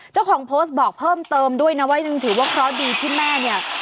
เจ้าของโพสต์บอกเพิ่มเติมด้วยนะว่ายังถือว่าเคราะห์ดีที่แม่เนี่ย